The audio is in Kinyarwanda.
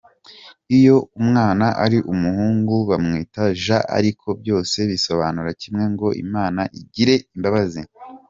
Iyo umwana ari umuhungu bamwita Jean ariko byose bisobanura kimwe ngo Imana igira imbabazi.